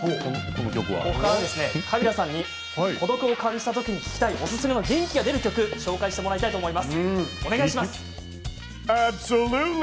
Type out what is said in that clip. ここからはカビラさんに孤独を感じたときに聴きたいおすすめの元気が出る曲を紹介してもらいたいと思います。